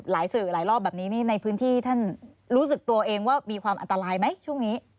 สื่อหลายรอบแบบนี้นี่ในพื้นที่ท่านรู้สึกตัวเองว่ามีความอันตรายไหมช่วงนี้